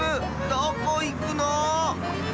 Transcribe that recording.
どこいくの？